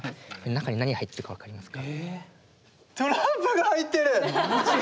中に何が入ってるか分かりますか？